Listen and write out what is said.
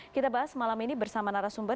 kita bahas malam ini bersama narasumber